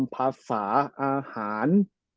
ภาษาอาหาร